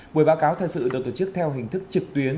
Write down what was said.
buổi báo cáo thật sự được tổ chức theo hình thức trực tuyến